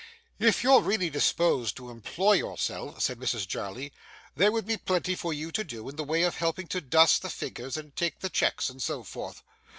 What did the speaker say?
'If you're really disposed to employ yourself,' said Mrs Jarley, 'there would be plenty for you to do in the way of helping to dust the figures, and take the checks, and so forth.